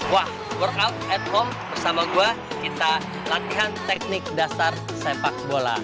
wah workout at home bersama gue kita latihan teknik dasar sepak bola